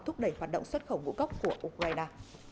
thúc đẩy hoạt động xuất khẩu ngũ cốc của ukraine